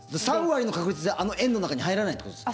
３割の確率であの円の中に入らないってことですか？